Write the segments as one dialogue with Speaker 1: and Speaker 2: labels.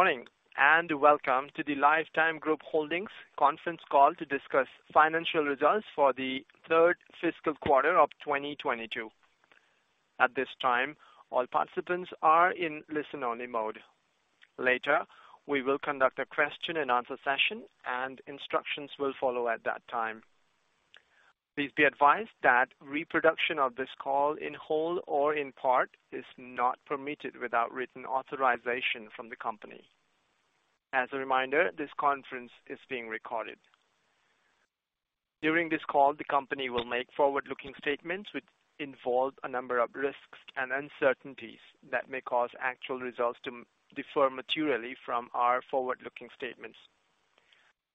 Speaker 1: Good morning and welcome to the Life Time Group Holdings conference call to discuss financial results for the third fiscal quarter of 2022. At this time, all participants are in listen-only mode. Later, we will conduct a question and answer session and instructions will follow at that time. Please be advised that reproduction of this call in whole or in part is not permitted without written authorization from the company. As a reminder, this conference is being recorded. During this call, the company will make forward-looking statements which involve a number of risks and uncertainties that may cause actual results to differ materially from our forward-looking statements.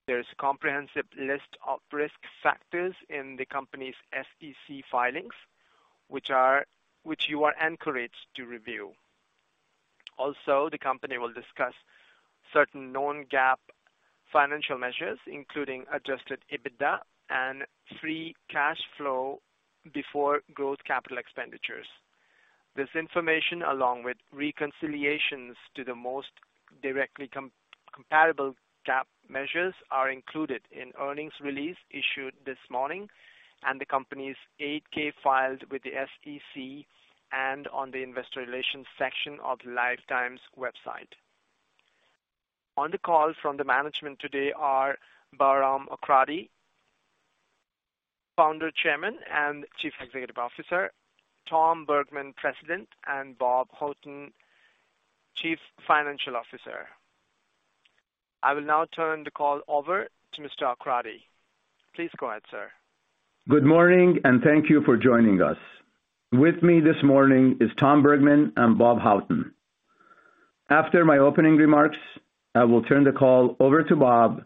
Speaker 1: There's a comprehensive list of risk factors in the company's SEC filings, which you are encouraged to review. Also, the company will discuss certain Non-GAAP financial measures, including Adjusted EBITDA and free cash flow before gross capital expenditures. This information, along with reconciliations to the most directly comparable GAAP measures, are included in earnings release issued this morning and the company's 8-K filed with the SEC and on the investor relations section of Life Time's website. On the call from the management today are Bahram Akradi, Founder, Chairman, and Chief Executive Officer, Tom Bergman, President, and Bob Houghton, Chief Financial Officer. I will now turn the call over to Mr. Akradi. Please go ahead, sir.
Speaker 2: Good morning, and thank you for joining us. With me this morning is Thomas Bergmann and Robert Houghton. After my opening remarks, I will turn the call over to Bob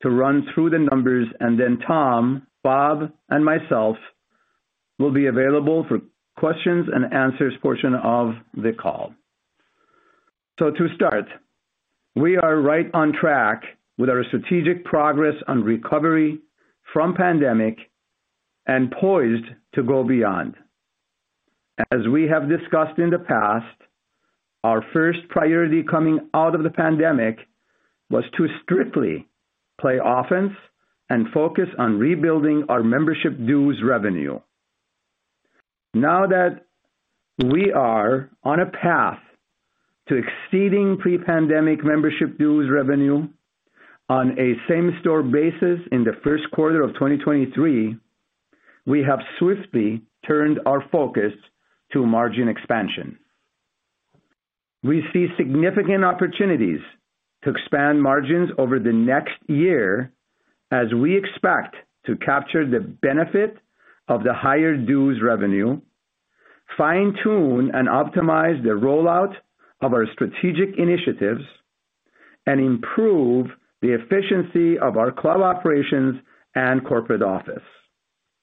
Speaker 2: to run through the numbers, and then Tom, Bob, and myself will be available for questions and answers portion of the call. To start, we are right on track with our strategic progress on recovery from pandemic and poised to go beyond. As we have discussed in the past, our first priority coming out of the pandemic was to strictly play offense and focus on rebuilding our membership dues revenue. Now that we are on a path to exceeding pre-pandemic membership dues revenue on a same-store basis in the first quarter of 2023, we have swiftly turned our focus to margin expansion. We see significant opportunities to expand margins over the next year as we expect to capture the benefit of the higher dues revenue, fine-tune and optimize the rollout of our strategic initiatives, and improve the efficiency of our club operations and corporate office.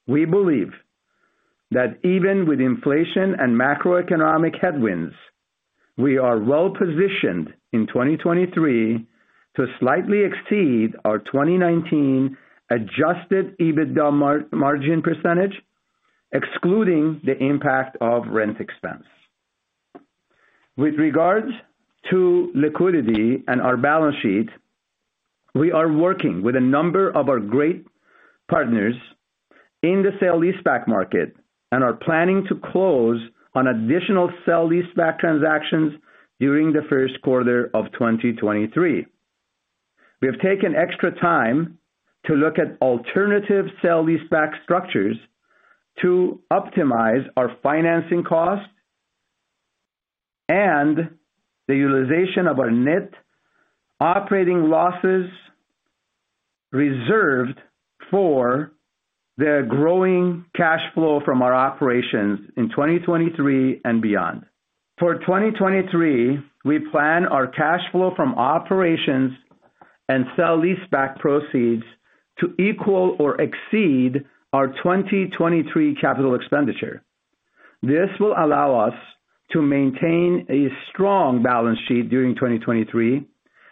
Speaker 2: We believe that even with inflation and macroeconomic headwinds, we are well-positioned in 2023 to slightly exceed our 2019 Adjusted EBITDA margin percentage, excluding the impact of rent expense. With regards to liquidity and our balance sheet, we are working with a number of our great partners in the sale-leaseback market and are planning to close on additional sale-leaseback transactions during the first quarter of 2023. We have taken extra time to look at alternative sale-leaseback structures to optimize our financing cost and the utilization of our net operating losses reserved for the growing cash flow from our operations in 2023 and beyond. For 2023, we plan our cash flow from operations and sale-leaseback proceeds to equal or exceed our 2023 capital expenditure. This will allow us to maintain a strong balance sheet during 2023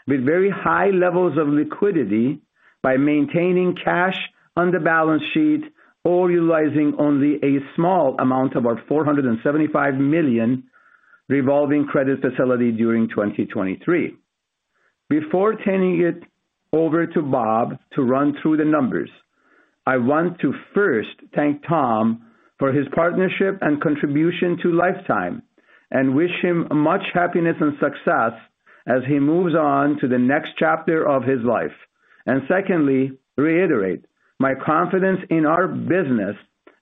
Speaker 2: with very high levels of liquidity by maintaining cash on the balance sheet or utilizing only a small amount of our $475 million revolving credit facility during 2023. Before turning it over to Bob to run through the numbers, I want to first thank Tom for his partnership and contribution to Life Time and wish him much happiness and success as he moves on to the next chapter of his life. Secondly, reiterate my confidence in our business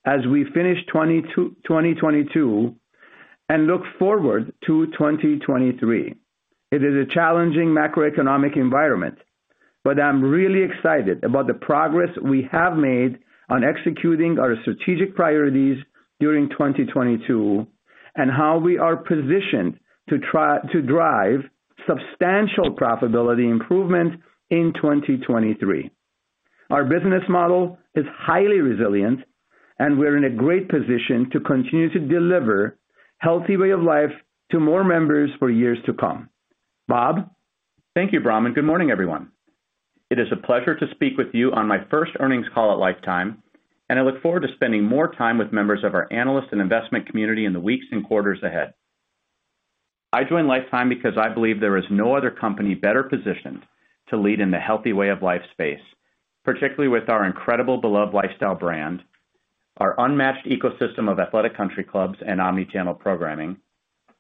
Speaker 2: as we finish 2022 and look forward to 2023. It is a challenging macroeconomic environment, but I'm really excited about the progress we have made on executing our strategic priorities during 2022 and how we are positioned to drive substantial profitability improvement in 2023. Our business model is highly resilient, and we're in a great position to continue to deliver healthy way of life to more members for years to come. Rob?
Speaker 3: Thank you, Bahram, and good morning, everyone. It is a pleasure to speak with you on my first earnings call at Life Time, and I look forward to spending more time with members of our analyst and investment community in the weeks and quarters ahead. I joined Life Time because I believe there is no other company better positioned to lead in the healthy way of life space, particularly with our incredible beloved lifestyle brand, our unmatched ecosystem of athletic country clubs and omni-channel programming,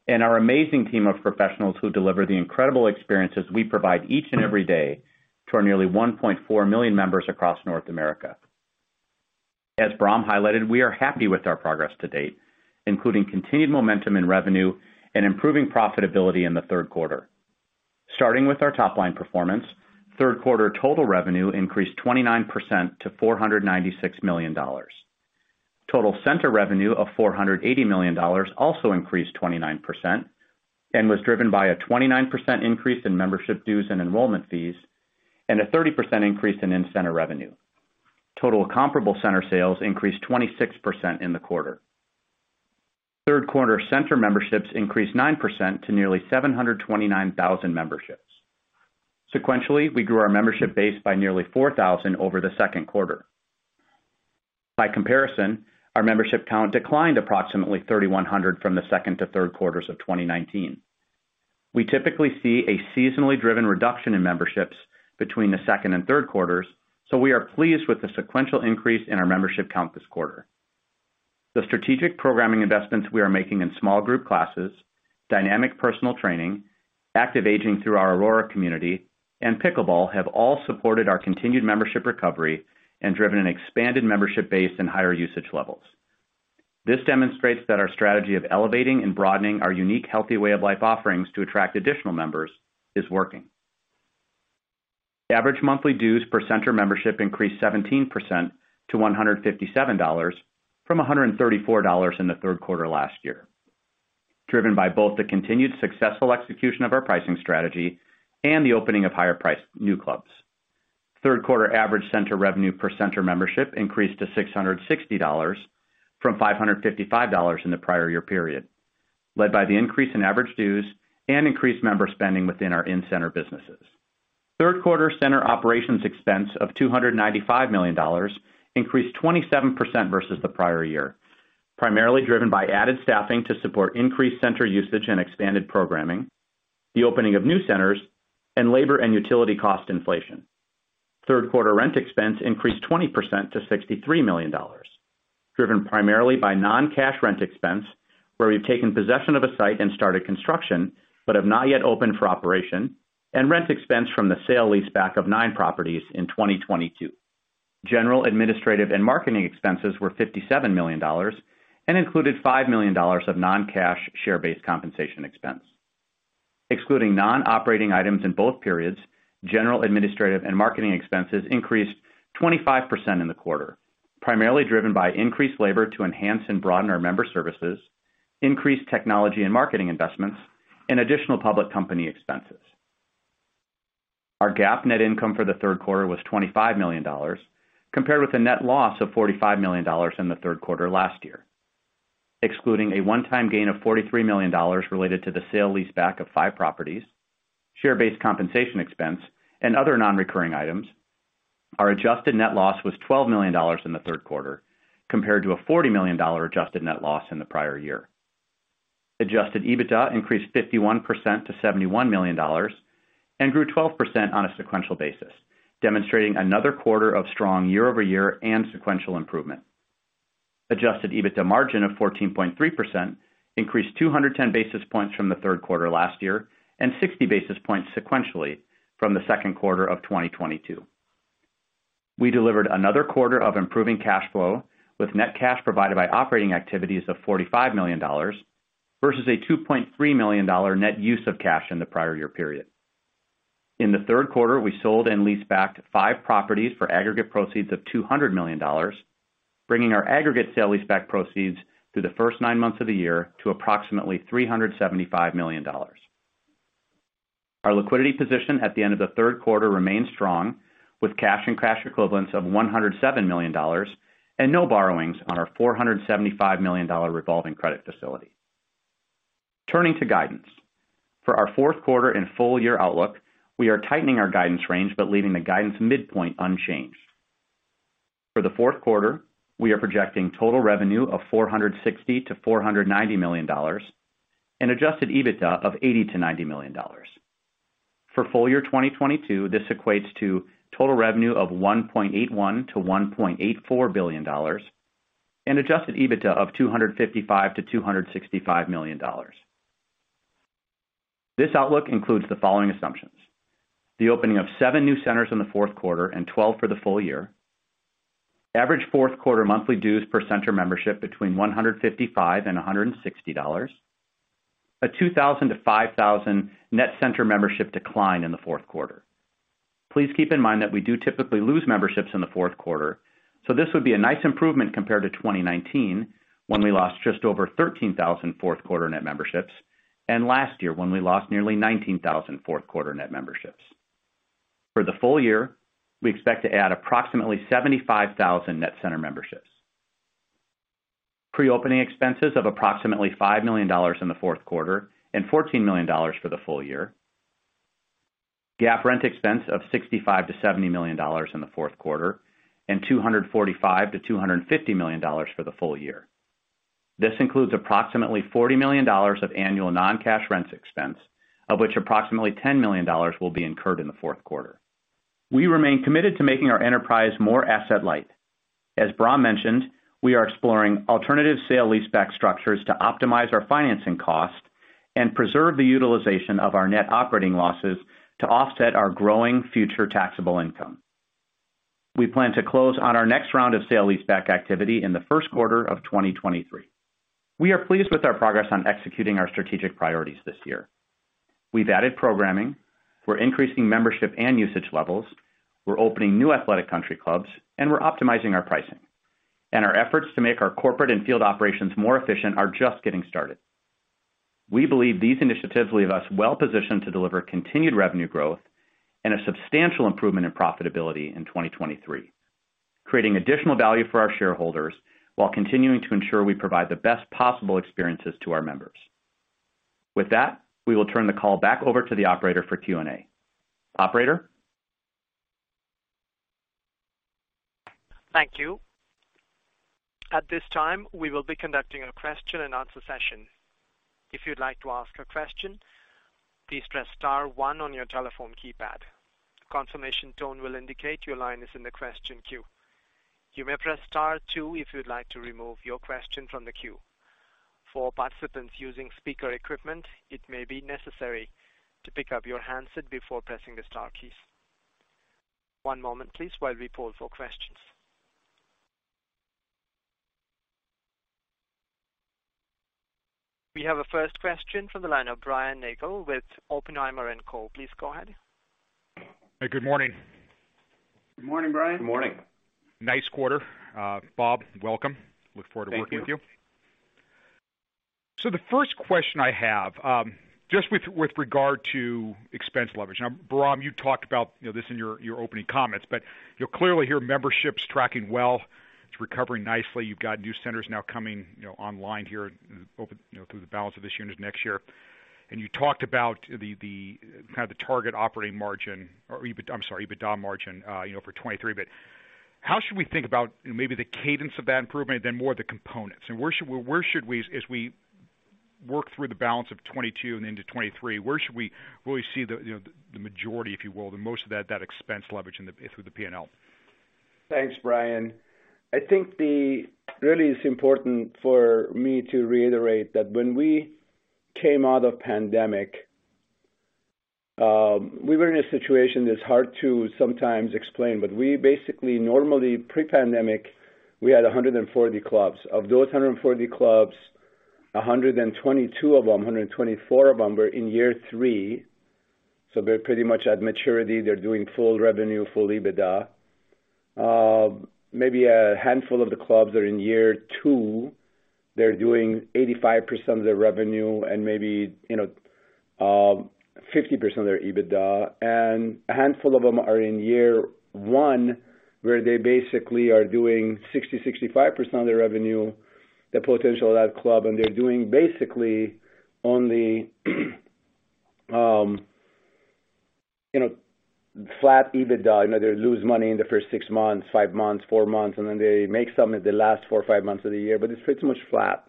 Speaker 3: and our amazing team of professionals who deliver the incredible experiences we provide each and every day to our nearly 1.4 million members across North America. As Bram highlighted, we are happy with our progress to date, including continued momentum in revenue and improving profitability in the third quarter. Starting with our top-line performance, third quarter total revenue increased 29% to $496 million. Total center revenue of $480 million also increased 29% and was driven by a 29% increase in membership dues and enrollment fees, and a 30% increase in in-center revenue. Total comparable center sales increased 26% in the quarter. Third quarter center memberships increased 9% to nearly 729,000 memberships. Sequentially, we grew our membership base by nearly 4,000 over the second quarter. By comparison, our membership count declined approximately 3,100 from the second to third quarters of 2019. We typically see a seasonally driven reduction in memberships between the second and third quarters, so we are pleased with the sequential increase in our membership count this quarter. The strategic programming investments we are making in small group classes, dynamic personal training, active aging through our ARORA community, and Pickleball have all supported our continued membership recovery and driven an expanded membership base and higher usage levels. This demonstrates that our strategy of elevating and broadening our unique healthy way of life offerings to attract additional members is working. Average monthly dues per center membership increased 17% to $157 from $134 in the third quarter last year, driven by both the continued successful execution of our pricing strategy and the opening of higher-priced new clubs. Third quarter average center revenue per center membership increased to $660 from $555 in the prior year period, led by the increase in average dues and increased member spending within our in-center businesses. Third quarter center operations expense of $295 million increased 27% versus the prior year, primarily driven by added staffing to support increased center usage and expanded programming, the opening of new centers, and labor and utility cost inflation. Third quarter rent expense increased 20% to $63 million, driven primarily by non-cash rent expense, where we've taken possession of a site and started construction, but have not yet opened for operation, and rent expense from the sale-leaseback of nine properties in 2022. General administrative and marketing expenses were $57 million and included $5 million of non-cash share-based compensation expense. Excluding non-operating items in both periods, general administrative and marketing expenses increased 25% in the quarter, primarily driven by increased labor to enhance and broaden our member services, increased technology and marketing investments, and additional public company expenses. Our GAAP net income for the third quarter was $25 million, compared with a net loss of $45 million in the third quarter last year. Excluding a one-time gain of $43 million related to the sale-leaseback of five properties, share-based compensation expense, and other non-recurring items, our adjusted net loss was $12 million in the third quarter, compared to a $40 million adjusted net loss in the prior year. Adjusted EBITDA increased 51% to $71 million and grew 12% on a sequential basis, demonstrating another quarter of strong year-over-year and sequential improvement. Adjusted EBITDA margin of 14.3% increased 210 basis points from the third quarter last year and 60 basis points sequentially from the second quarter of 2022. We delivered another quarter of improving cash flow with net cash provided by operating activities of $45 million versus a $2.3 million net use of cash in the prior year period. In the third quarter, we sold and leased back five properties for aggregate proceeds of $200 million, bringing our aggregate sale-leaseback proceeds through the first nine months of the year to approximately $375 million. Our liquidity position at the end of the third quarter remains strong with cash and cash equivalents of $107 million and no borrowings on our $475 million revolving credit facility. Turning to guidance. For our fourth quarter and full year outlook, we are tightening our guidance range but leaving the guidance midpoint unchanged. For the fourth quarter, we are projecting total revenue of $460 million-$490 million and Adjusted EBITDA of $80 million-$90 million. For full year 2022, this equates to total revenue of $1.81 billion-$1.84 billion and Adjusted EBITDA of $255 million-$265 million. This outlook includes the following assumptions. The opening of seven new centers in the fourth quarter and 12 for the full year. Average fourth quarter monthly dues per center membership between $155 and $160. A 2,000-5,000 net center membership decline in the fourth quarter. Please keep in mind that we do typically lose memberships in the fourth quarter, so this would be a nice improvement compared to 2019, when we lost just over 13,000 fourth quarter net memberships, and last year when we lost nearly 19,000 fourth quarter net memberships. For the full year, we expect to add approximately 75,000 net center memberships. Pre-opening expenses of approximately $5 million in the fourth quarter and $14 million for the full year. GAAP rent expense of $65 million-$70 million in the fourth quarter and $245 million-$250 million for the full year. This includes approximately $40 million of annual non-cash rent expense, of which approximately $10 million will be incurred in the fourth quarter. We remain committed to making our enterprise more asset light. As Bahram mentioned, we are exploring alternative sale-leaseback structures to optimize our financing cost and preserve the utilization of our net operating losses to offset our growing future taxable income. We plan to close on our next round of sale-leaseback activity in the first quarter of 2023. We are pleased with our progress on executing our strategic priorities this year. We've added programming, we're increasing membership and usage levels, we're opening new athletic country clubs, and we're optimizing our pricing. Our efforts to make our corporate and field operations more efficient are just getting started. We believe these initiatives leave us well-positioned to deliver continued revenue growth and a substantial improvement in profitability in 2023, creating additional value for our shareholders while continuing to ensure we provide the best possible experiences to our members. With that, we will turn the call back over to the operator for Q&A. Operator?
Speaker 1: Thank you. At this time, we will be conducting a question and answer session. If you'd like to ask a question, please press star one on your telephone keypad. A confirmation tone will indicate your line is in the question queue. You may press star two if you'd like to remove your question from the queue. For participants using speaker equipment, it may be necessary to pick up your handset before pressing the star keys. One moment please while we poll for questions. We have a first question from the line of Brian Nagel with Oppenheimer & Co. Please go ahead.
Speaker 4: Hey, good morning.
Speaker 2: Good morning, Brian.
Speaker 3: Good morning.
Speaker 4: Nice quarter. Rob, welcome. Look forward to working with you.
Speaker 3: Thank you.
Speaker 4: The first question I have, just with regard to expense leverage. Now, Bahram, you talked about, you know, this in your opening comments, but you're clearly hearing membership's tracking well. It's recovering nicely. You've got new centers now coming online here over, you know, through the balance of this year and next year. You talked about kind of the target operating margin or, I'm sorry, EBITDA margin, you know, for 2023. How should we think about maybe the cadence of that improvement, then more of the components? Where should we, as we work through the balance of 2022 and into 2023, really see the, you know, the majority, if you will, the most of that expense leverage through the P&L?
Speaker 2: Thanks, Brian. I think really it's important for me to reiterate that when we came out of pandemic, we were in a situation that's hard to sometimes explain. We basically normally pre-pandemic, we had 140 clubs. Of those 140 clubs, 122 of them, 124 of them were in year three, so they're pretty much at maturity. They're doing full revenue, full EBITDA. Maybe a handful of the clubs are in year two. They're doing 85% of their revenue and maybe 50% of their EBITDA. A handful of them are in year one, where they basically are doing 60%-65% of their revenue, the potential of that club, and they're doing basically only flat EBITDA. You know, they lose money in the first six months, five months, four months, and then they make some at the last four or five months of the year, but it's pretty much flat.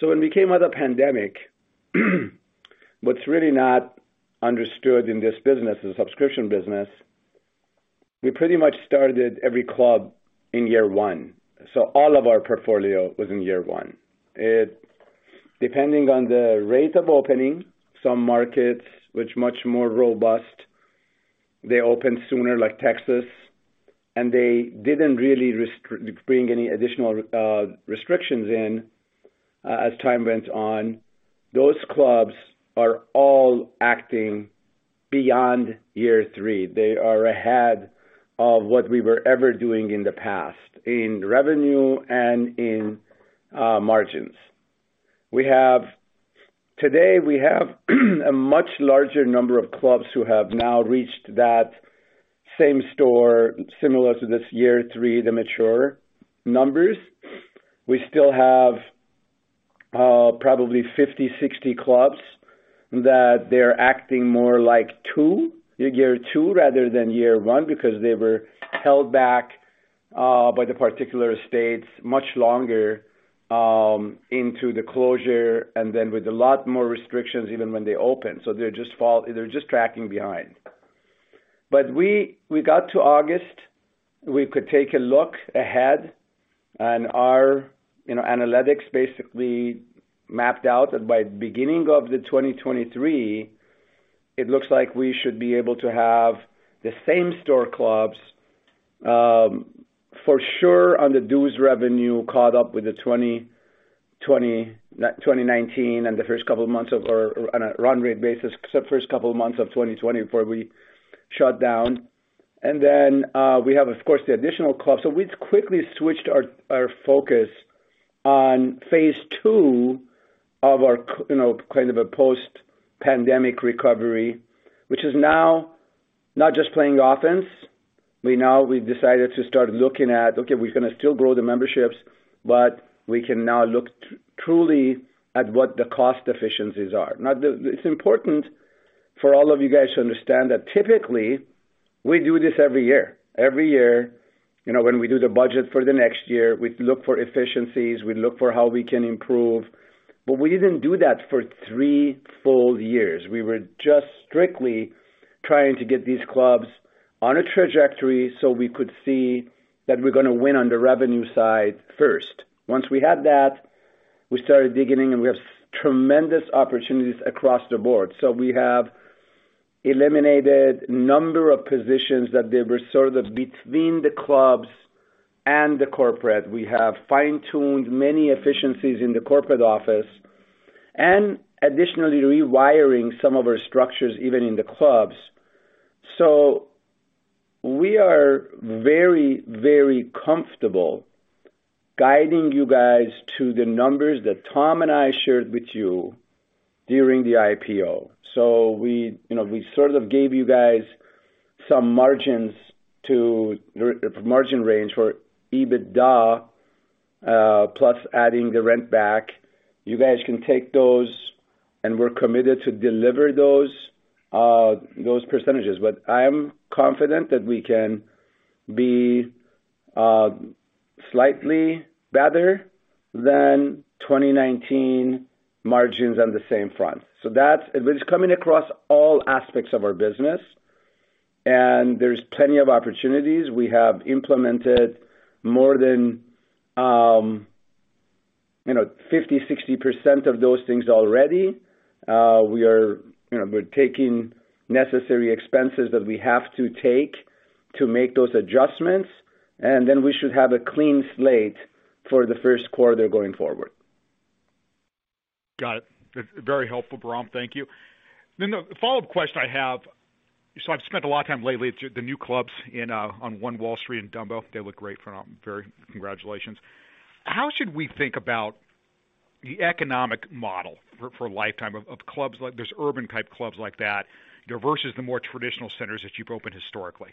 Speaker 2: When we came out of pandemic, what's really not understood in this business, the subscription business, we pretty much started every club in year one. All of our portfolio was in year one. Depending on the rate of opening, some markets which were much more robust, they opened sooner, like Texas, and they didn't really bring any additional restrictions in as time went on. Those clubs are all operating beyond year three. They are ahead of what we were ever doing in the past in revenue and in margins. We have Today, we have a much larger number of clubs who have now reached that same store similar to this year three, the mature numbers. We still have probably 50, 60 clubs that they're acting more like 2, year 2 rather than year 1 because they were held back by the particular states much longer into the closure and then with a lot more restrictions even when they opened. They're just tracking behind. We got to August. We could take a look ahead and our analytics basically mapped out that by beginning of the 2023, it looks like we should be able to have the same store clubs for sure on the dues revenue caught up with 2019 and the first couple of months of, or on a run rate basis, the first couple of months of 2020 before we shut down. We have, of course, the additional clubs. We've quickly switched our focus on phase two of our kind of a post-pandemic recovery, which is now not just playing offense. We've decided to start looking at we're gonna still grow the memberships, but we can now look truly at what the cost efficiencies are. It's important for all of you guys to understand that typically, we do this every year. Every year, you know, when we do the budget for the next year, we look for efficiencies, we look for how we can improve. We didn't do that for three full years. We were just strictly trying to get these clubs on a trajectory so we could see that we're gonna win on the revenue side first. Once we had that, we started digging in, and we have tremendous opportunities across the board. We have eliminated number of positions that they were sort of between the clubs and the corporate. We have fine-tuned many efficiencies in the corporate office, and additionally, rewiring some of our structures, even in the clubs. We are very, very comfortable guiding you guys to the numbers that Tom and I shared with you during the IPO. We sort of gave you guys some margin range for EBITDA plus adding the rent back. You guys can take those, and we're committed to deliver those percentages. I am confident that we can be slightly better than 2019 margins on the same front. It is coming across all aspects of our business, and there's plenty of opportunities. We have implemented more than 50%-60% of those things already. We're taking necessary expenses that we have to take to make those adjustments, and then we should have a clean slate for the first quarter going forward.
Speaker 4: Got it. Very helpful, Bahram. Thank you. The follow-up question I have. I've spent a lot of time lately at the new clubs on One Wall Street in Dumbo. They look great, phenom. Very. Congratulations. How should we think about the economic model for Life Time of clubs like those urban type clubs like that versus the more traditional centers that you've opened historically?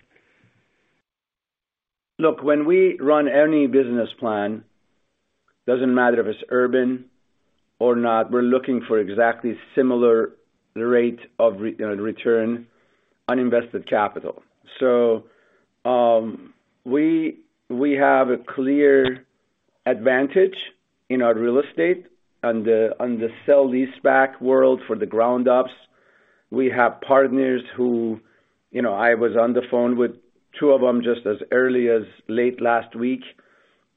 Speaker 2: Look, when we run any business plan, doesn't matter if it's urban or not, we're looking for exactly similar rate of you know, return on invested capital. We have a clear advantage in our real estate on the sale-leaseback world for the ground-ups. We have partners who, you know, I was on the phone with two of them just as early as late last week.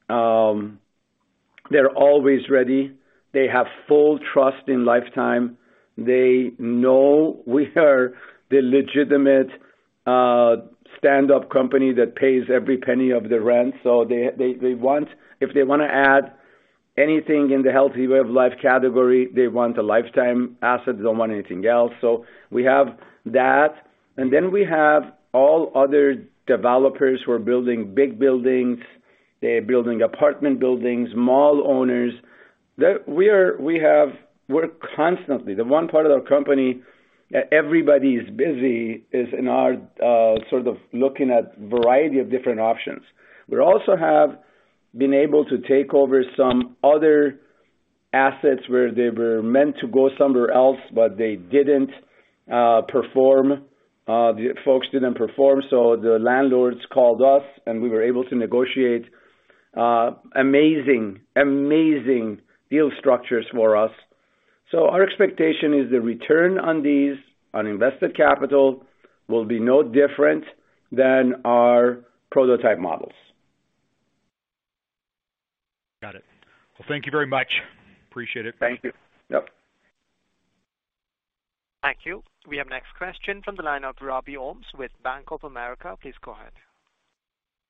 Speaker 2: They're always ready. They have full trust in Life Time. They know we are the legitimate stand-up company that pays every penny of the rent. They want. If they wanna add anything in the healthy way of life category, they want a Life Time asset. They don't want anything else. We have that, and then we have all other developers who are building big buildings. They're building apartment buildings, mall owners. We're constantly. The one part of our company that everybody is busy is in our sort of looking at variety of different options. We also have been able to take over some other assets where they were meant to go somewhere else, but they didn't perform. The folks didn't perform, so the landlords called us, and we were able to negotiate amazing deal structures for us. Our expectation is the return on these, on invested capital, will be no different than our prototype models.
Speaker 4: Got it. Well, thank you very much. Appreciate it.
Speaker 2: Thank you. Yep.
Speaker 1: Thank you. We have next question from the line of Robert Ohmes with Bank of America. Please go ahead.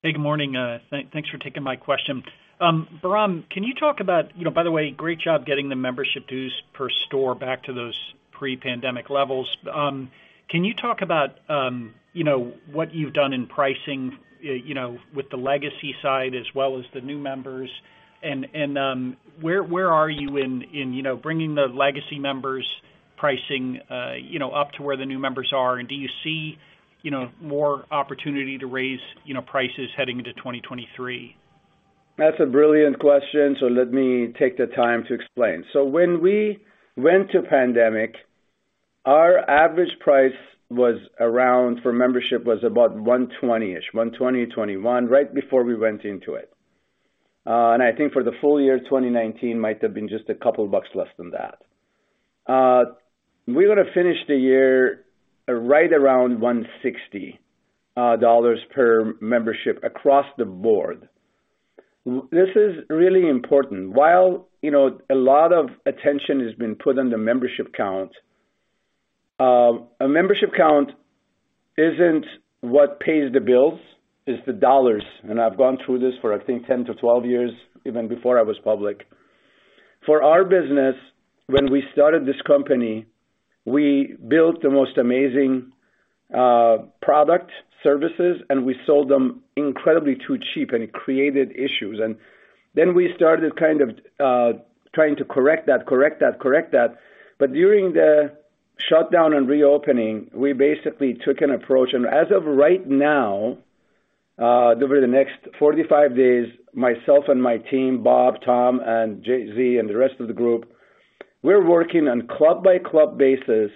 Speaker 5: Hey, good morning. Thanks for taking my question. Bahram, can you talk about you know, by the way, great job getting the membership dues per store back to those pre-pandemic levels. Can you talk about you know, what you've done in pricing, you know, with the legacy side as well as the new members? Where are you in you know, bringing the legacy members' pricing, you know, up to where the new members are? Do you see you know, more opportunity to raise you know, prices heading into 2023?
Speaker 2: That's a brilliant question, so let me take the time to explain. When we went into the pandemic, our average price was around, for membership, was about $120-ish, $120, $121, right before we went into it. I think for the full year of 2019, might have been just a couple bucks less than that. We're gonna finish the year right around $160 per membership across the board. This is really important. While you know a lot of attention has been put on the membership count, a membership count isn't what pays the bills. It's the dollars, and I've gone through this for, I think, 10 to 12 years, even before I was public. For our business, when we started this company, we built the most amazing product, services, and we sold them incredibly too cheap, and it created issues. Then we started kind of trying to correct that. During the shutdown and reopening, we basically took an approach. As of right now, over the next 45 days, myself and my team, Bob, Tom, and Z, and the rest of the group, we're working on club-by-club basis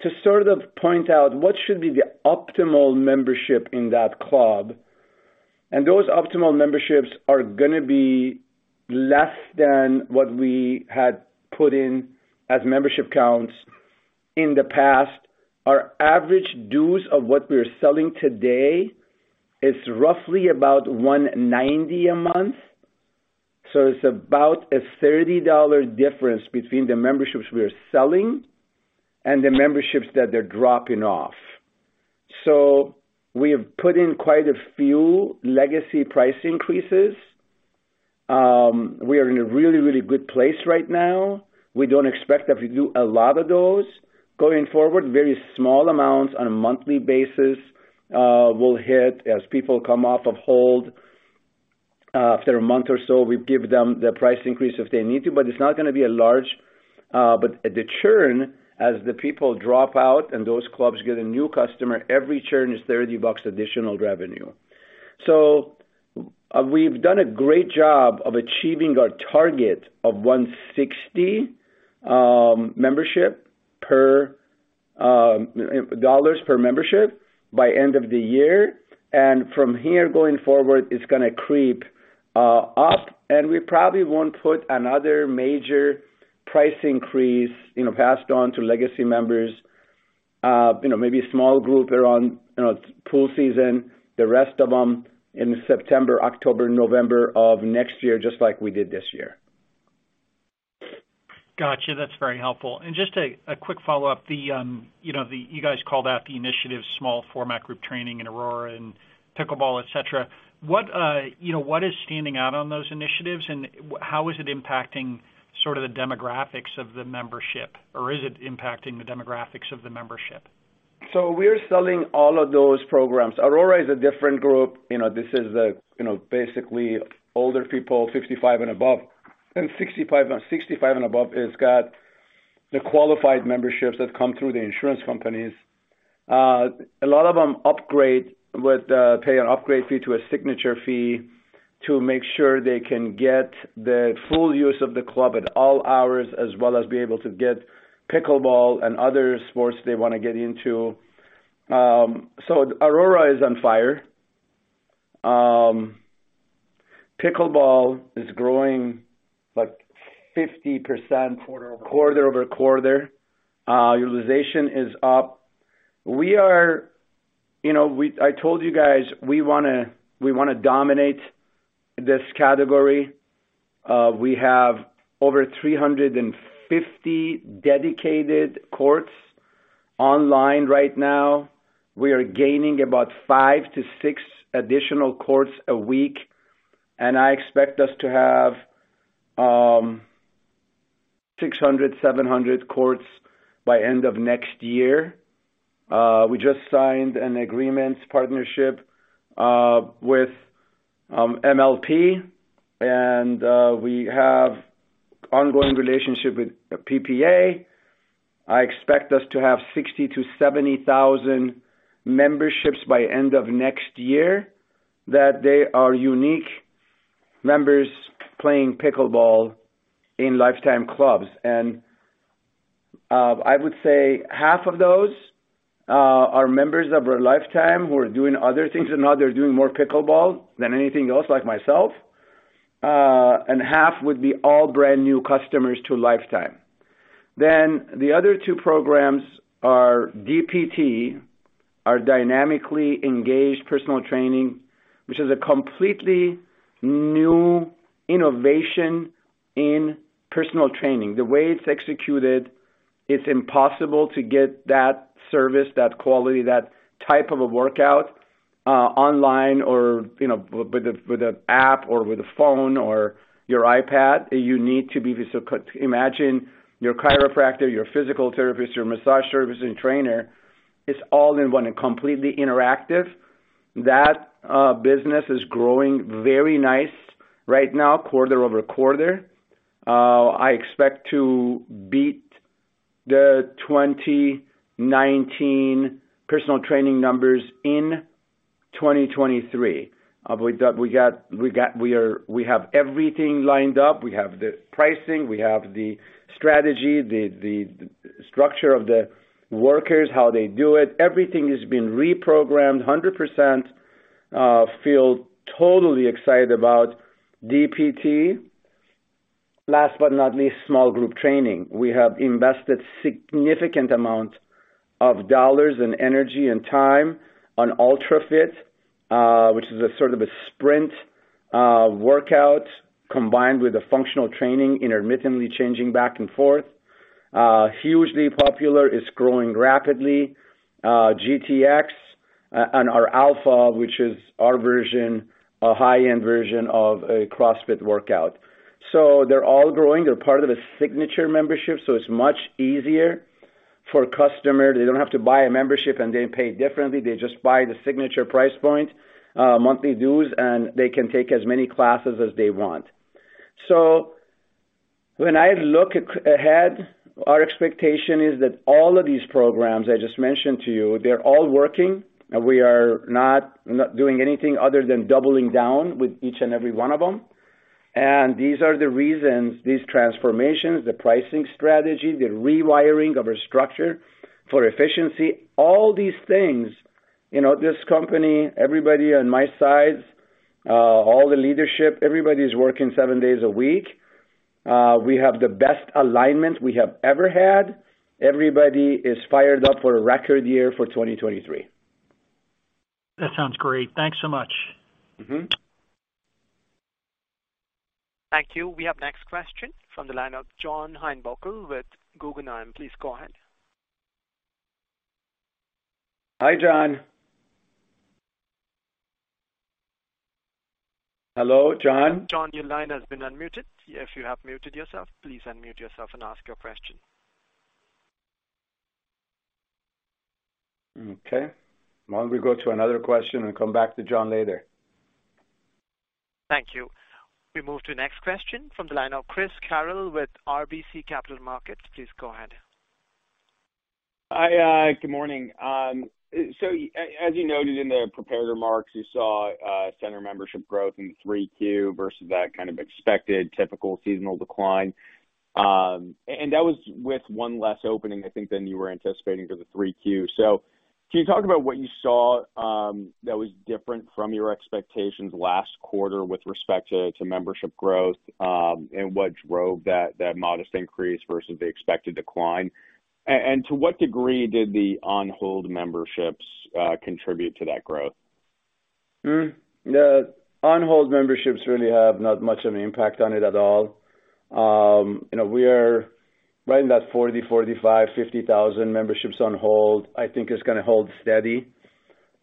Speaker 2: to sort of point out what should be the optimal membership in that club. Those optimal memberships are gonna be less than what we had put in as membership counts in the past. Our average dues of what we're selling today is roughly about $190 a month. It's about a $30 difference between the memberships we're selling and the memberships that they're dropping off. We have put in quite a few legacy price increases. We are in a really, really good place right now. We don't expect that we do a lot of those going forward. Very small amounts on a monthly basis will hit as people come off of hold. After a month or so, we give them the price increase if they need to, but it's not gonna be a large. But the churn as the people drop out and those clubs get a new customer, every churn is $30 additional revenue. So we've done a great job of achieving our target of 160 dollars per membership by end of the year. From here going forward, it's gonna creep up, and we probably won't put another major price increase, you know, passed on to legacy members. You know, maybe a small group around, you know, pool season, the rest of them in September, October, November of next year, just like we did this year.
Speaker 5: Gotcha. That's very helpful. Just a quick follow-up. You know, you guys called out the initiative, small format group training in ARORA and Pickleball, et cetera. What, you know, what is standing out on those initiatives and how is it impacting sort of the demographics of the membership? Or is it impacting the demographics of the membership?
Speaker 2: We're selling all of those programs. ARORA is a different group. You know, this is, you know, basically older people, 55 and above. 65 and above has got the qualified memberships that come through the insurance companies. A lot of them upgrade and pay an upgrade fee to a Signature fee to make sure they can get the full use of the club at all hours, as well as be able to get Pickleball and other sports they wanna get into. ARORA is on fire. Pickleball is growing, like 50% quarter-over-quarter quarter over quarter. Utilization is up. We are, you know, I told you guys, we wanna dominate this category. We have over 350 dedicated courts online right now. We are gaining about 5-6 additional courts a week, and I expect us to have 600-700 courts by end of next year. We just signed a partnership agreement with MLP, and we have ongoing relationship with PPA. I expect us to have 60,000-70,000 memberships by end of next year, that they are unique members playing Pickleball in Life Time clubs. I would say half of those are members of our Life Time who are doing other things and now they're doing more Pickleball than anything else, like myself, and half would be all brand new customers to Life Time. The other two programs are DPT, our dynamically engaged personal training, which is a completely new innovation in personal training. The way it's executed, it's impossible to get that service, that quality, that type of a workout, online or, you know, with a, with an app or with a phone or your iPad. You need to be. Imagine your chiropractor, your physical therapist, your massage therapist and trainer is all in one and completely interactive. That business is growing very nice right now, quarter-over-quarter. I expect to beat the 2019 personal training numbers in 2023. We have everything lined up. We have the pricing, we have the strategy, the structure of the workouts, how they do it. Everything has been reprogrammed 100%, feel totally excited about DPT. Last but not least, small group training. We have invested significant amount of dollars and energy and time on Ultra Fit, which is sort of a sprint workout combined with functional training, intermittently changing back and forth. Hugely popular, it's growing rapidly. GTX and our Alpha, which is our version, a high-end version of a CrossFit workout. They're all growing. They're part of a signature membership, so it's much easier. For a customer, they don't have to buy a membership, and they pay differently. They just buy the signature price point, monthly dues, and they can take as many classes as they want. When I look ahead, our expectation is that all of these programs I just mentioned to you, they're all working, and we are not doing anything other than doubling down with each and every one of them. These are the reasons, these transformations, the pricing strategy, the rewiring of our structure for efficiency, all these things. You know, this company, everybody on my side, all the leadership, everybody is working seven days a week. We have the best alignment we have ever had. Everybody is fired up for a record year for 2023.
Speaker 5: That sounds great. Thanks so much.
Speaker 1: Thank you. We have next question from the line of John Heinbockel with Guggenheim. Please go ahead.
Speaker 2: Hi, John. Hello, John?
Speaker 1: John, your line has been unmuted. If you have muted yourself, please unmute yourself and ask your question.
Speaker 2: Okay. Why don't we go to another question and come back to John later?
Speaker 1: Thank you. We move to next question from the line of Chris Carroll with RBC Capital Markets. Please go ahead.
Speaker 6: Hi. Good morning. As you noted in the prepared remarks, you saw center membership growth in 3Q versus that kind of expected typical seasonal decline. That was with one less opening, I think, than you were anticipating for the 3Q. Can you talk about what you saw that was different from your expectations last quarter with respect to membership growth and what drove that modest increase versus the expected decline? To what degree did the on-hold memberships contribute to that growth?
Speaker 2: The on-hold memberships really have not much of an impact on it at all. You know, we are right in that 40, 45, 50 thousand memberships on hold. I think it's gonna hold steady.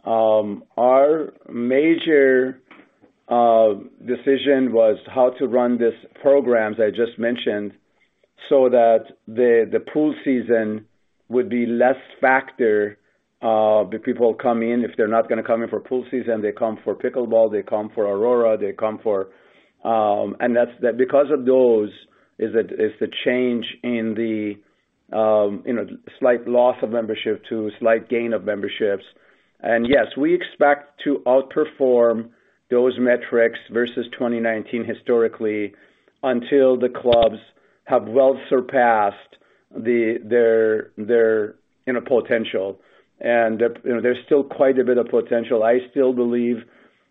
Speaker 2: Our major decision was how to run these programs I just mentioned so that the pool season would be less factor of the people coming in. If they're not gonna come in for pool season, they come for Pickleball, they come for ARORA, they come for. Because of those is the change in the, you know, slight loss of membership to slight gain of memberships. Yes, we expect to outperform those metrics versus 2019 historically until the clubs have well surpassed their inner potential. The, you know, there's still quite a bit of potential. I still believe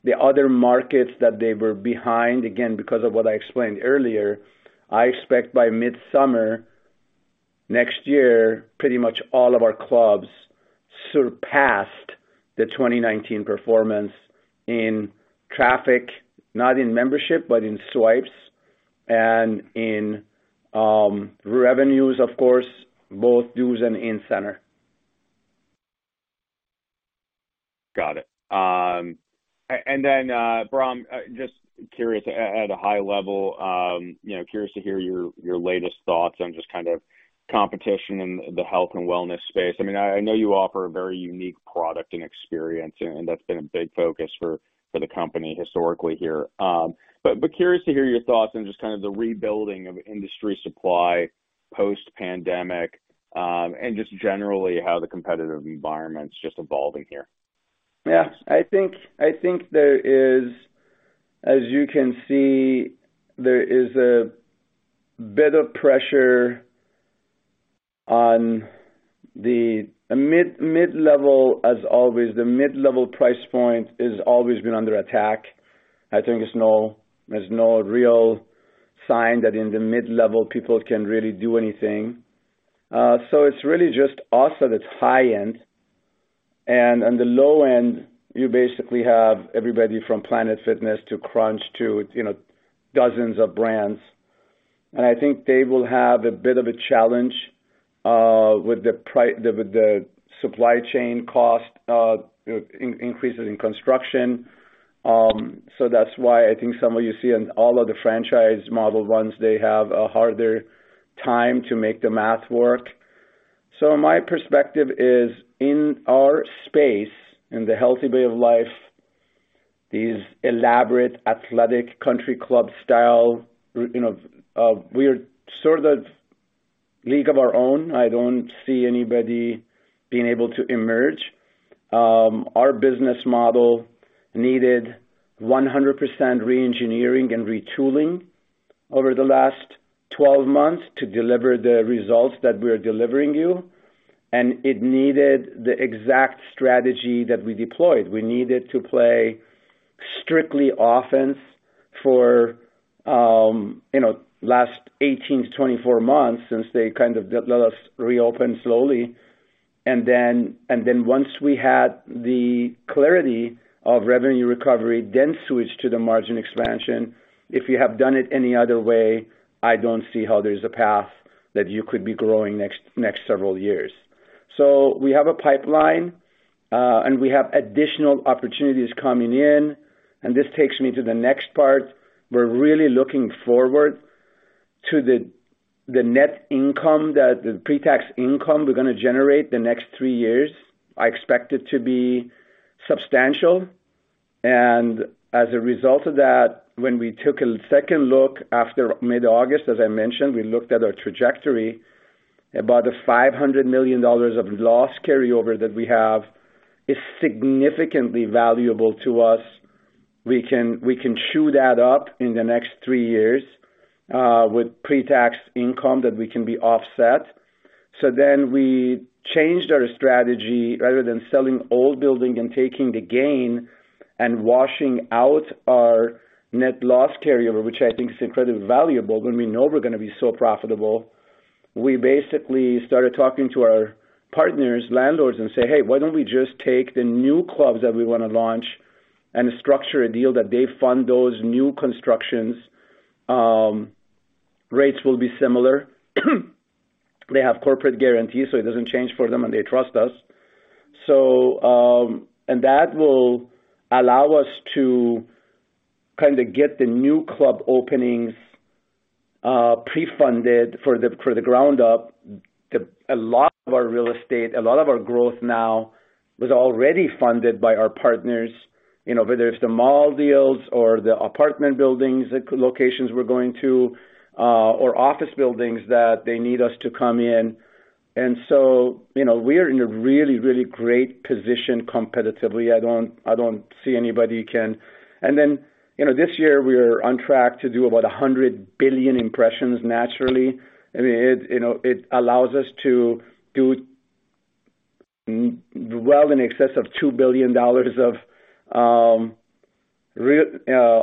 Speaker 2: the other markets that they were behind, again, because of what I explained earlier. I expect by midsummer next year, pretty much all of our clubs surpassed the 2019 performance in traffic, not in membership, but in swipes and in revenues, of course, both dues and in-center.
Speaker 6: Got it. And then, Bram, just curious at a high level, you know, curious to hear your latest thoughts on just kind of competition in the health and wellness space. I mean, I know you offer a very unique product and experience, and that's been a big focus for the company historically here. But curious to hear your thoughts on just kind of the rebuilding of industry supply post-pandemic, and just generally how the competitive environment's just evolving here.
Speaker 2: Yeah. I think there is. As you can see, there is a bit of pressure on the mid-level. As always, the mid-level price point has always been under attack. I think there's no real sign that in the mid-level people can really do anything. So it's really just us at its high end. On the low end, you basically have everybody from Planet Fitness to Crunch Fitness to dozens of brands. I think they will have a bit of a challenge with the supply chain cost increases in construction. So that's why I think some of you see in all of the franchise model ones, they have a harder time to make the math work. My perspective is, in our space, in the healthy way of life, these elaborate, athletic, country club style, you know, we are sort of league of our own. I don't see anybody being able to emerge. Our business model needed 100% re-engineering and retooling over the last 12 months to deliver the results that we're delivering you. It needed the exact strategy that we deployed. We needed to play strictly offense for, you know, last 18-24 months since they kind of let us reopen slowly. Then once we had the clarity of revenue recovery, then switch to the margin expansion. If you have done it any other way, I don't see how there's a path that you could be growing next several years. We have a pipeline, and we have additional opportunities coming in, and this takes me to the next part. We're really looking forward to the pre-tax income we're gonna generate the next three years. I expect it to be substantial. As a result of that, when we took a second look after mid-August, as I mentioned, we looked at our trajectory. About the $500 million of loss carryover that we have is significantly valuable to us. We can chew that up in the next three years with pre-tax income that we can be offset. We changed our strategy rather than selling old building and taking the gain and washing out our net loss carryover, which I think is incredibly valuable when we know we're gonna be so profitable. We basically started talking to our partners, landlords, and say, "Hey, why don't we just take the new clubs that we wanna launch and structure a deal that they fund those new constructions?" Rates will be similar. They have corporate guarantees, so it doesn't change for them, and they trust us. That will allow us to kinda get the new club openings pre-funded for the ground up. A lot of our real estate, a lot of our growth now was already funded by our partners. You know, whether it's the mall deals or the apartment buildings locations we're going to or office buildings that they need us to come in. You know, we're in a really, really great position competitively. I don't see anybody who can. This year we're on track to do about 100 billion impressions naturally. I mean, you know, it allows us to do well in excess of $2 billion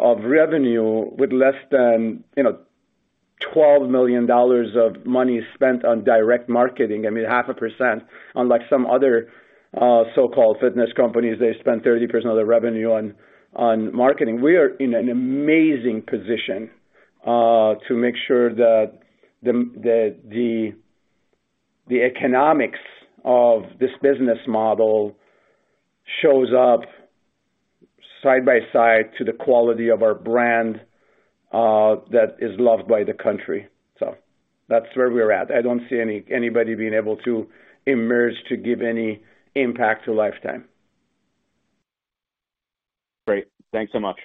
Speaker 2: of revenue with less than, you know, $12 million of money spent on direct marketing. I mean, 0.5%, unlike some other so-called fitness companies, they spend 30% of their revenue on marketing. We are in an amazing position to make sure that the economics of this business model shows up side by side to the quality of our brand that is loved by the country. That's where we're at. I don't see anybody being able to emerge to give any impact to Life Time.
Speaker 6: Great. Thanks so much.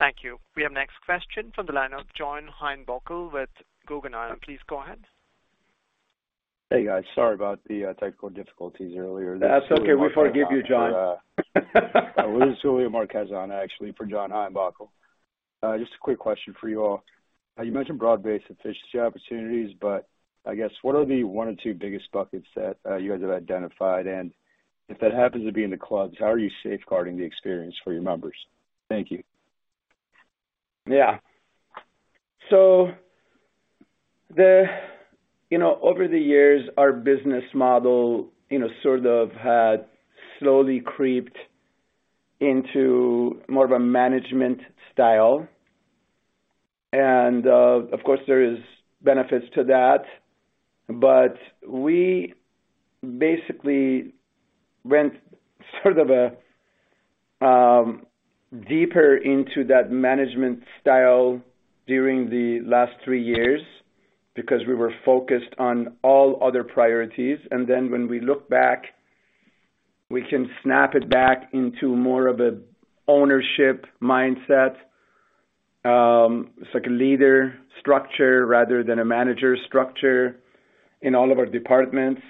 Speaker 1: Thank you. We have next question from the line of John Heinbockel with Guggenheim. Please go ahead.
Speaker 7: Hey, guys. Sorry about the technical difficulties earlier.
Speaker 2: That's okay. We forgive you, John.
Speaker 7: This is Julio Marquez on, actually for John Heinbockel. Just a quick question for you all. You mentioned broad-based efficiency opportunities, but I guess what are the one or two biggest buckets that you guys have identified? If that happens to be in the clubs, how are you safeguarding the experience for your members? Thank you.
Speaker 2: Yeah. You know, over the years, our business model, you know, sort of had slowly creeped into more of a management style. Of course, there is benefits to that, but we basically went sort of deeper into that management style during the last three years because we were focused on all other priorities. When we look back, we can snap it back into more of a ownership mindset. It's like a leader structure rather than a manager structure in all of our departments.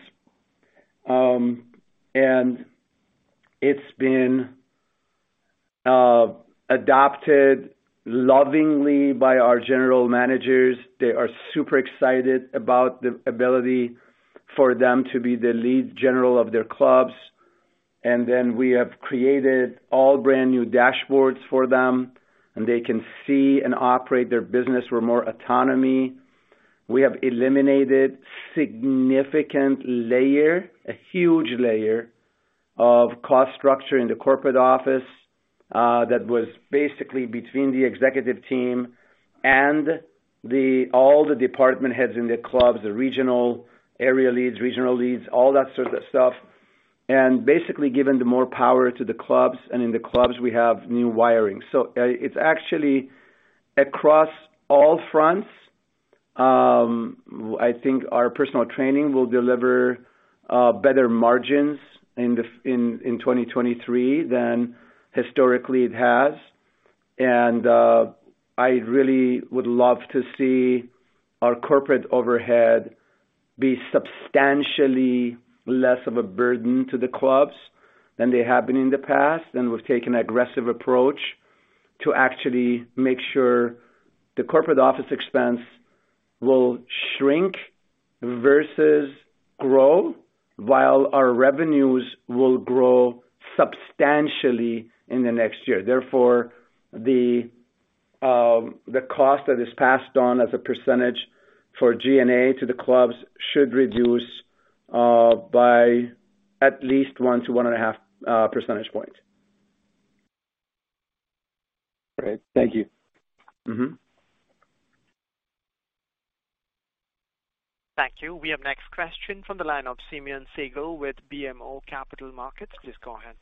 Speaker 2: It's been adopted lovingly by our general managers. They are super excited about the ability for them to be the lead general of their clubs. We have created all brand-new dashboards for them, and they can see and operate their business with more autonomy. We have eliminated a significant layer, a huge layer of cost structure in the corporate office, that was basically between the executive team and all the department heads in the clubs, the regional area leads, regional leads, all that sort of stuff, and basically given them more power to the clubs. In the clubs we have new wiring. It's actually across all fronts. I think our personal training will deliver better margins in 2023 than historically it has. I really would love to see our corporate overhead be substantially less of a burden to the clubs than they have been in the past. We've taken aggressive approach to actually make sure the corporate office expense will shrink versus grow while our revenues will grow substantially in the next year. Therefore, the cost that is passed on as a percentage for G&A to the clubs should reduce by at least 1-1.5 percentage points.
Speaker 8: Great. Thank you.
Speaker 1: Thank you. We have next question from the line of Simeon Siegel with BMO Capital Markets. Please go ahead.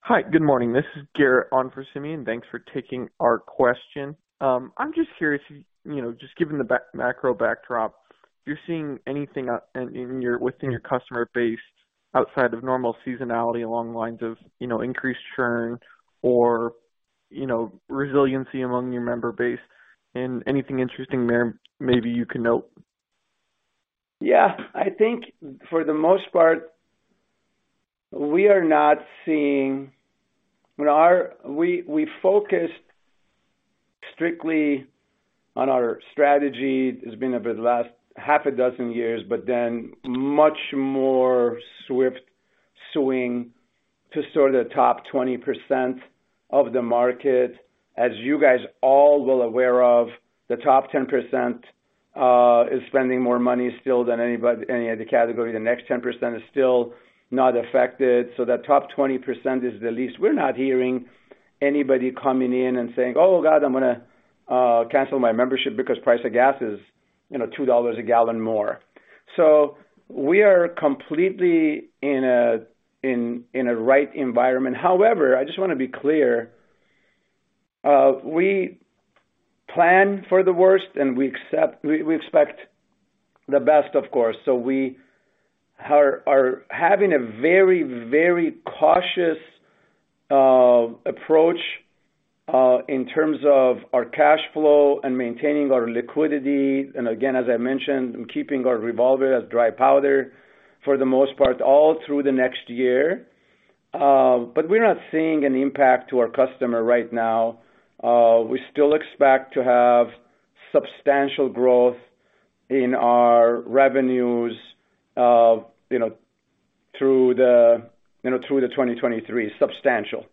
Speaker 8: Hi, good morning. This is Garrett on for Simeon. Thanks for taking our question. I'm just curious, you know, just given the macro backdrop, you're seeing anything within your customer base outside of normal seasonality along the lines of, you know, increased churn or, you know, resiliency among your member base and anything interesting there maybe you can note?
Speaker 2: Yeah. I think for the most part, we are not seeing. We focused strictly on our strategy. It's been over the last half a dozen years, but then much more swift swing to sort of top 20% of the market. As you guys all well aware of, the top 10% is spending more money still than anybody any other category. The next 10% is still not affected. That top 20% is the least. We're not hearing anybody coming in and saying, "Oh, God, I'm gonna cancel my membership because price of gas is, you know, $2 a gallon more." We are completely in a right environment. However, I just wanna be clear, we plan for the worst and we expect the best, of course. We're having a very, very cautious approach in terms of our cash flow and maintaining our liquidity and again, as I mentioned, keeping our revolver as dry powder for the most part all through the next year. But we're not seeing an impact to our customer right now. We still expect to have substantial growth in our revenues, you know, through 2023. Substantial.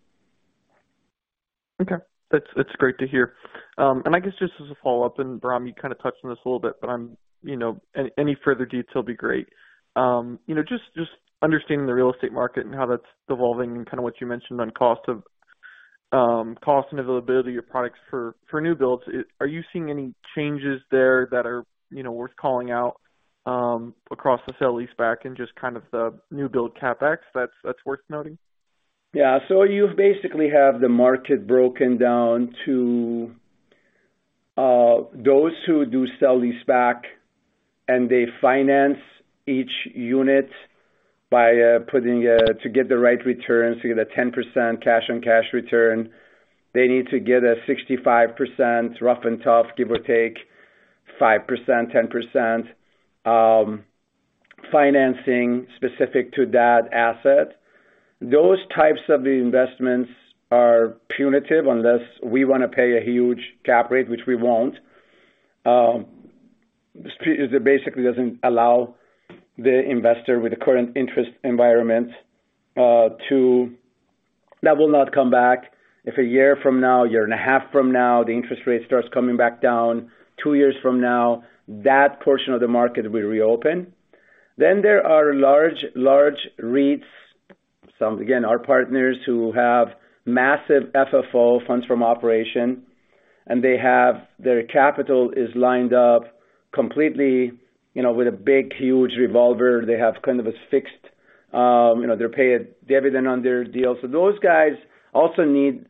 Speaker 8: Okay. That's great to hear. I guess just as a follow-up, and Bahram, you kinda touched on this a little bit, but I'm, you know, any further detail would be great. You know, just understanding the real estate market and how that's evolving and kinda what you mentioned on cost and availability of products for new builds. Are you seeing any changes there that are, you know, worth calling out across the sale-leaseback and just kind of the new build CapEx that's worth noting?
Speaker 2: Yeah. You basically have the market broken down to those who do sale-leaseback and they finance each unit by putting up to get the right returns, to get a 10% cash-on-cash return. They need to get a 65% loan-to-value, give or take 5%, 10%, financing specific to that asset. Those types of investments are punitive unless we wanna pay a huge cap rate, which we won't. It basically doesn't allow the investor with the current interest environment. That will not come back. If a year from now, a year and a half from now, the interest rate starts coming back down, two years from now, that portion of the market will reopen. There are large REITs, some, again, are partners who have massive FFO, funds from operations, and they have their capital lined up completely, you know, with a big, huge revolver. They have kind of a fixed, you know, they're paid dividend on their deals. Those guys also need,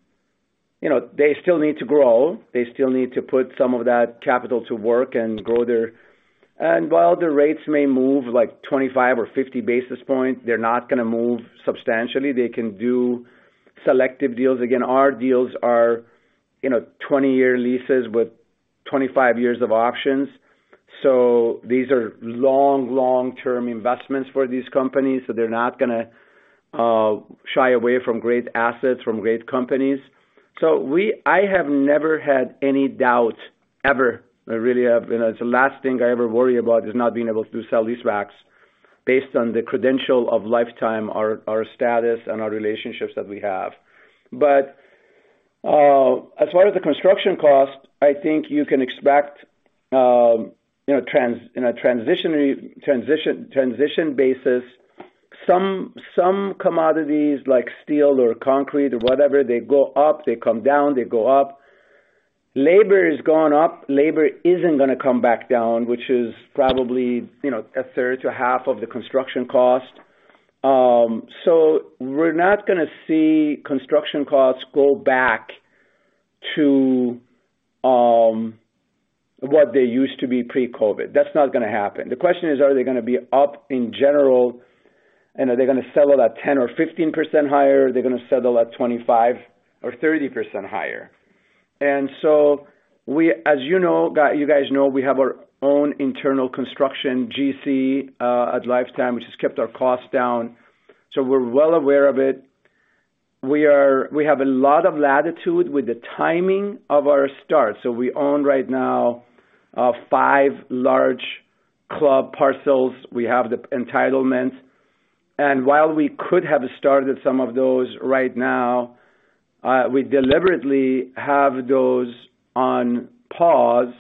Speaker 2: you know, they still need to grow. They still need to put some of that capital to work and grow their. While their rates may move like 25 or 50 basis points, they're not gonna move substantially. They can do selective deals. Again, our deals are, you know, 20-year leases with 25 years of options. These are long-term investments for these companies. They're not gonna shy away from great assets, from great companies. I have never had any doubt, ever. I really have. You know, it's the last thing I ever worry about is not being able to do sale-leasebacks based on the credential of Life Time, our status and our relationships that we have. But as far as the construction cost, I think you can expect, you know, transition basis. Some commodities like steel or concrete or whatever, they go up, they come down, they go up. Labor has gone up. Labor isn't gonna come back down, which is probably, you know, a third to half of the construction cost. So we're not gonna see construction costs go back to what they used to be pre-COVID. That's not gonna happen. The question is, are they gonna be up in general, and are they gonna settle at 10% or 15% higher? Are they gonna settle at 25% or 30% higher? As you know, you guys know, we have our own internal construction GC at Life Time, which has kept our costs down. We're well aware of it. We have a lot of latitude with the timing of our start. We own right now 5 large club parcels. We have the entitlement. While we could have started some of those right now, we deliberately have those on pause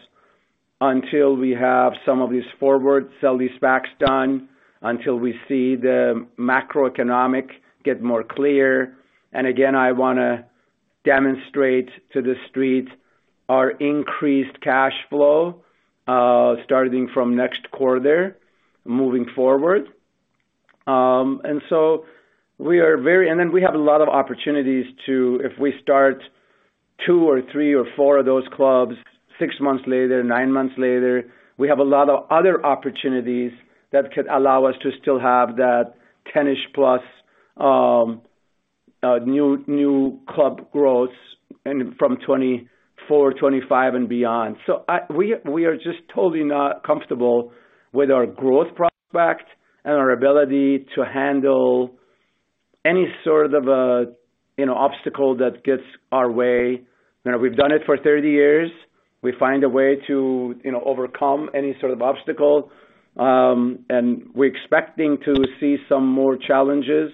Speaker 2: until we have some of these forward sale-leasebacks done, until we see the macroeconomic get more clear. Again, I wanna demonstrate to the street our increased cash flow starting from next quarter moving forward. We are very... We have a lot of opportunities if we start 2 or 3 or 4 of those clubs 6 months later, 9 months later. We have a lot of other opportunities that could allow us to still have that 10-ish plus new club growth from 2024, 2025 and beyond. We are just totally not comfortable with our growth prospect and our ability to handle any sort of a, you know, obstacle that gets our way. You know, we've done it for 30 years. We find a way to, you know, overcome any sort of obstacle. We're expecting to see some more challenges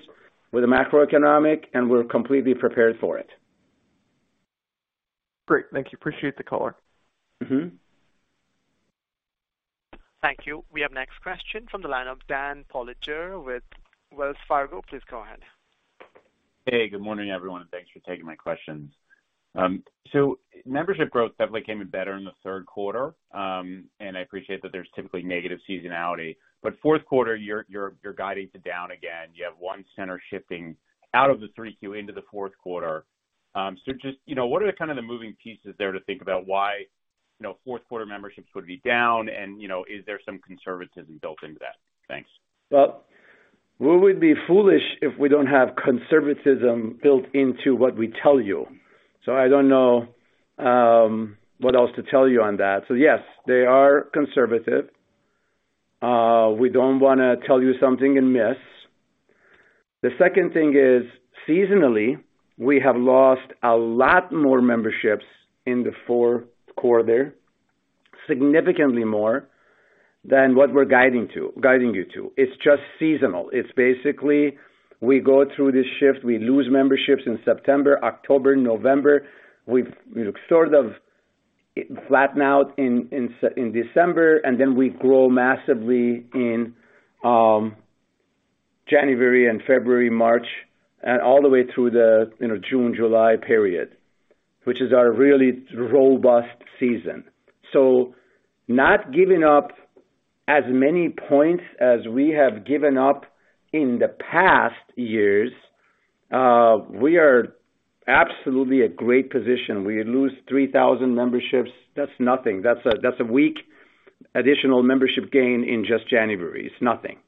Speaker 2: with the macroeconomic, and we're completely prepared for it.
Speaker 8: Great. Thank you. Appreciate the call.
Speaker 1: Thank you. We have next question from the line of Daniel Politzer with Wells Fargo. Please go ahead.
Speaker 9: Hey, good morning, everyone, and thanks for taking my questions. Membership growth definitely came in better in the third quarter, and I appreciate that there's typically negative seasonality. Fourth quarter, you're guiding to down again. You have one center shifting out of the Q3 into the fourth quarter. Just, you know, what are the kind of moving pieces there to think about why, you know, fourth quarter memberships would be down and, you know, is there some conservatism built into that? Thanks.
Speaker 2: Well, we would be foolish if we don't have conservatism built into what we tell you. I don't know what else to tell you on that. Yes, they are conservative. We don't wanna tell you something and miss. The second thing is, seasonally, we have lost a lot more memberships in the fourth quarter, significantly more than what we're guiding you to. It's just seasonal. It's basically we go through this shift, we lose memberships in September, October, November. We've sort of flatten out in December, and then we grow massively in January and February, March, and all the way through the, you know, June, July period, which is our really robust season. Not giving up as many points as we have given up in the past years, we are absolutely in a great position. We lose 3,000 memberships, that's nothing. That's a week additional membership gain in just January. It's nothing.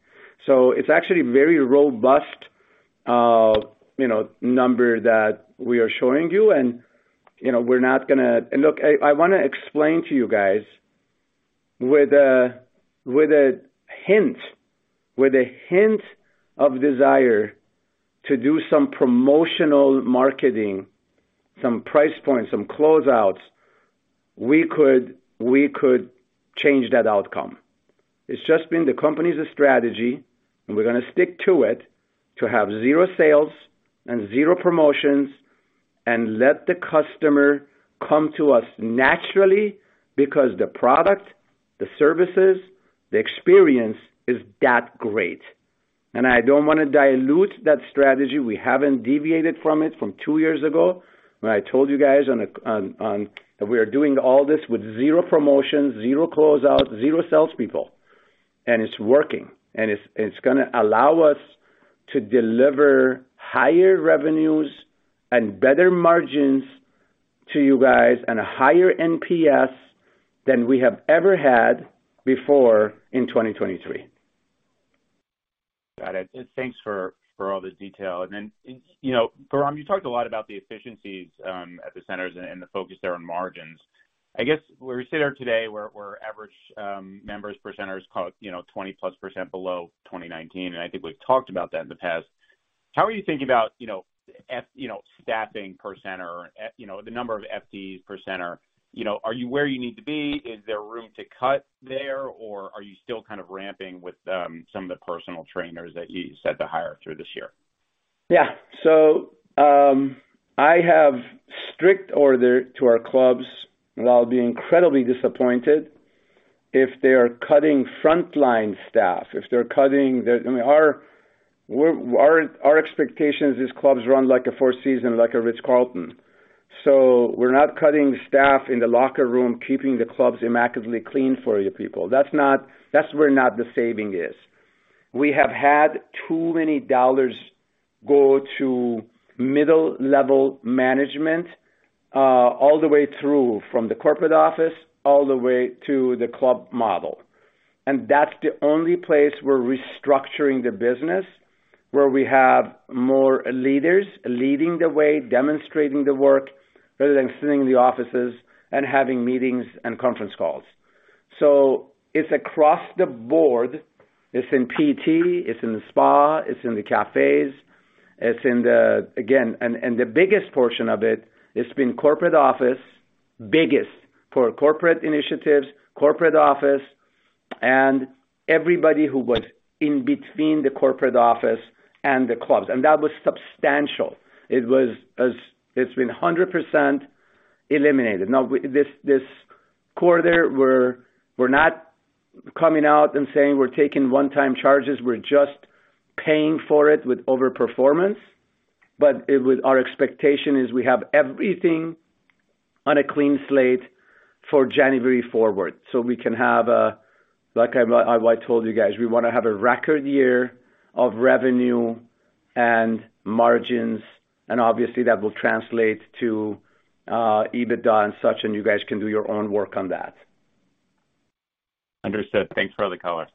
Speaker 2: It's actually very robust, you know, number that we are showing you and, you know, we're not gonna. Look, I wanna explain to you guys with a hint of desire to do some promotional marketing, some price points, some closeouts, we could change that outcome. It's just been the company's strategy, and we're gonna stick to it, to have zero sales and zero promotions and let the customer come to us naturally because the product, the services, the experience is that great. I don't wanna dilute that strategy. We haven't deviated from it from two years ago when I told you guys that we are doing all this with zero promotions, zero closeout, zero salespeople. It's working, and it's gonna allow us to deliver higher revenues and better margins to you guys and a higher NPS than we have ever had before in 2023.
Speaker 9: Got it. Thanks for all the detail. You know, Bahram, you talked a lot about the efficiencies at the centers and the focus there on margins. I guess where we sit at today, average members per center is probably, you know, 20%+ below 2019, and I think we've talked about that in the past. How are you thinking about, you know, staffing per center, you know, the number of FTEs per center? You know, are you where you need to be? Is there room to cut there or are you still kind of ramping with some of the personal trainers that you said to hire through this year?
Speaker 2: Yeah. I have strict orders to our clubs, and I'll be incredibly disappointed if they are cutting frontline staff. If they're cutting, I mean, our expectation is clubs run like a Four Seasons, like The Ritz-Carlton. We're not cutting staff in the locker room, keeping the clubs immaculately clean for you people. That's not where the saving is. We have had too many dollars go to middle-level management, all the way through from the corporate office all the way to the club model. That's the only place we're restructuring the business, where we have more leaders leading the way, demonstrating the work, rather than sitting in the offices and having meetings and conference calls. It's across the board. It's in PT, it's in the spa, it's in the cafes. The biggest portion of it's been corporate office, biggest for corporate initiatives, corporate office. Everybody who was in between the corporate office and the clubs, and that was substantial. It's been 100% eliminated. Now, this quarter, we're not coming out and saying we're taking one-time charges. We're just paying for it with over-performance. Our expectation is we have everything on a clean slate for January forward, so we can have a record year of revenue and margins, like I told you guys, we wanna have a record year of revenue and margins, and obviously that will translate to EBITDA and such, and you guys can do your own work on that.
Speaker 9: Understood. Thanks for the color.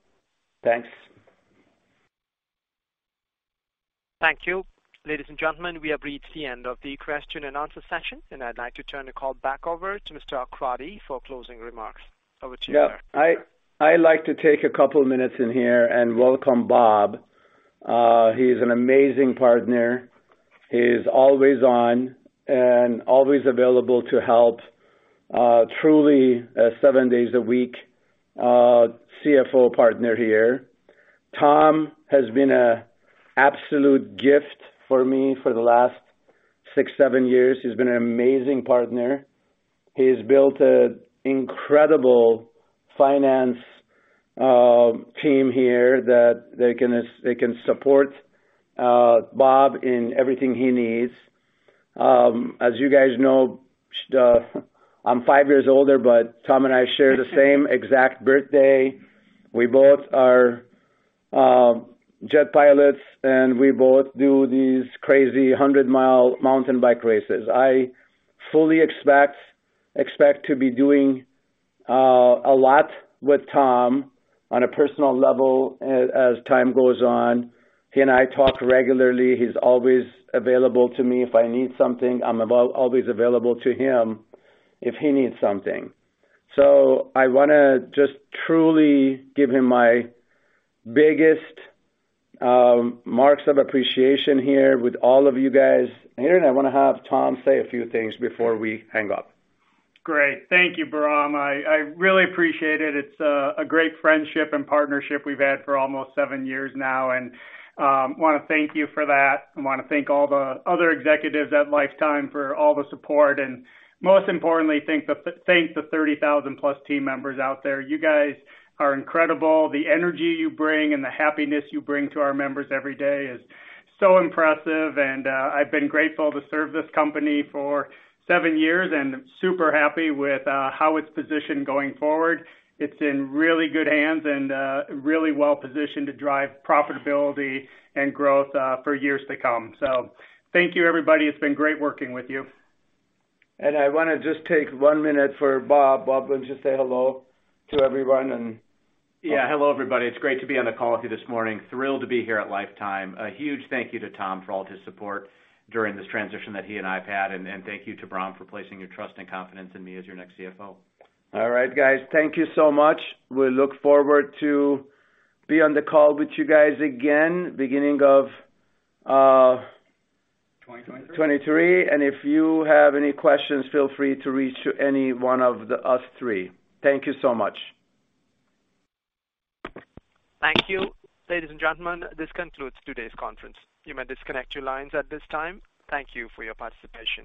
Speaker 2: Thanks.
Speaker 1: Thank you. Ladies and gentlemen, we have reached the end of the question and answer session, and I'd like to turn the call back over to Mr. Akradi for closing remarks. Over to you, sir.
Speaker 2: I'd like to take a couple minutes in here and welcome Bob. He's an amazing partner. He's always on and always available to help, truly a seven days a week CFO partner here. Tom has been an absolute gift for me for the last six, seven years. He's been an amazing partner. He has built an incredible finance team here that they can support Bob in everything he needs. As you guys know, I'm five years older, but Tom and I share the same exact birthday. We both are jet pilots, and we both do these crazy 100-mile mountain bike races. I fully expect to be doing a lot with Tom on a personal level as time goes on. He and I talk regularly. He's always available to me if I need something. I'm always available to him if he needs something. I wanna just truly give him my biggest marks of appreciation here with all of you guys here, and I wanna have Tom say a few things before we hang up.
Speaker 10: Great. Thank you, Bahram. I really appreciate it. It's a great friendship and partnership we've had for almost seven years now, and wanna thank you for that. I wanna thank all the other executives at Life Time for all the support and most importantly, thank the 30,000+ team members out there. You guys are incredible. The energy you bring and the happiness you bring to our members every day is so impressive, and I've been grateful to serve this company for seven years and super happy with how it's positioned going forward. It's in really good hands and really well positioned to drive profitability and growth for years to come. Thank you, everybody. It's been great working with you.
Speaker 2: I wanna just take one minute for Rob. Rob, would you say hello to everyone.
Speaker 3: Yeah. Hello, everybody. It's great to be on the call with you this morning. Thrilled to be here at Life Time. A huge thank you to Tom for all his support during this transition that he and I have had, and thank you to Bahram for placing your trust and confidence in me as your next CFO.
Speaker 2: All right, guys. Thank you so much. We look forward to be on the call with you guys again.
Speaker 10: 2023
Speaker 2: 2023. If you have any questions, feel free to reach out to any one of us three. Thank you so much.
Speaker 1: Thank you. Ladies and gentlemen, this concludes today's conference. You may disconnect your lines at this time. Thank you for your participation.